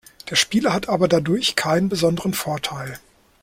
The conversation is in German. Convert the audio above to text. Der Spieler hat aber dadurch keinen besonderen Vorteil.